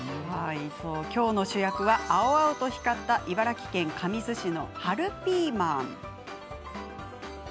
きょうの主役は青々と光った茨城県神栖市の春ピーマン。